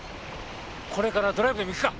これからドライブでも行くか？